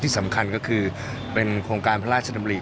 สำคัญก็คือเป็นโครงการพระราชดำริ